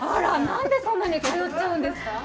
何でそんなに通っちゃうんですか？